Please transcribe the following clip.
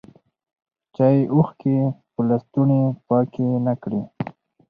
چایې اوښکي په لستوڼي پاکي نه کړې